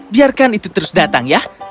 biarkan itu terus datang ya